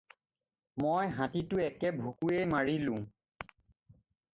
মই হাতীটো একে ভুকুৱেই মাৰিলোঁ।